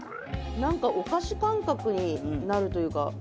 なんかお菓子感覚になるというか。